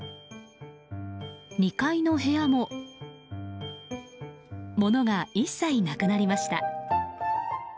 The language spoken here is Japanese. ２階の部屋も物が一切なくなりました。